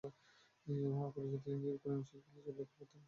ওয়াহ অপরাজিত সেঞ্চুরি করেন ও শেষ বলে জয়ের লক্ষ্যমাত্রায় নিয়ে যান।